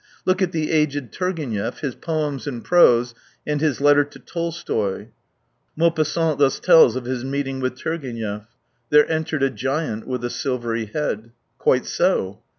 Look at the aged Turgenev, his Poems in Prose and his letter to Tolstoy. Maupassant thus tells of his meeting with Turgenev :" There entered a giant with a silvery head." Quite so